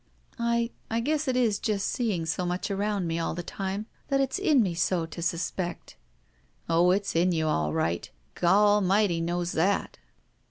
"I — I guess it is from seeing so much arotmd m6 all the time that it's in me so to suspect." "Oh, it's in you all right. Gawalmighty knows that!"